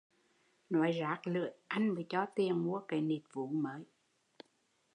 Nói rát lưỡi, anh mới cho tiền mua cái nịt vú mới